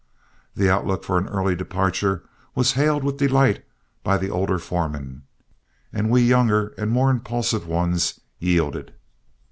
The outlook for an early departure was hailed with delight by the older foremen, and we younger and more impulsive ones yielded.